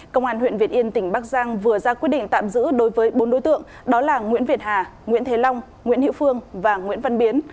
công an huyện việt yên tỉnh bắc giang vừa ra quyết định tạm giữ đối với bốn đối tượng đó là nguyễn việt hà nguyễn thế long nguyễn hiệu phương và nguyễn văn biến